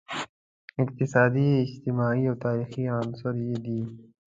اقتصادي، اجتماعي او تاریخي عناصر یې دي.